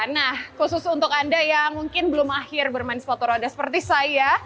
nah khusus untuk anda yang mungkin belum akhir bermain sepatu roda seperti saya